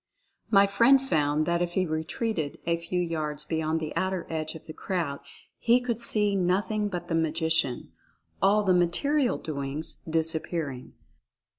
My friend found that if he retreated a few yards beyond the outer edge of Oriental Fascination 165 the crowd he could see nothing but the magician, all the "magical doings" disappearing.